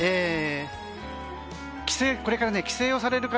これから帰省をされる方